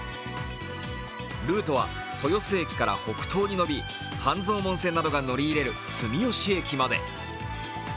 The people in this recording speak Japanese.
ルートは豊洲駅から北東に延び半蔵門線などが乗り入れる住吉駅まで。